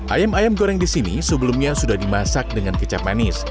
ayam ayam goreng di sini sebelumnya sudah dimasak dengan kecap manis